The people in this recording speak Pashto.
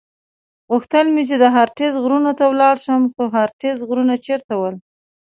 غوښتل مې چې د هارتز غرونو ته ولاړ شم، خو هارتز غرونه چېرته ول؟